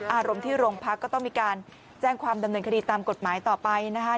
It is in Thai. อารมณ์ที่โรงพักก็ต้องมีการแจ้งความดำเนินคดีตามกฎหมายต่อไปนะคะ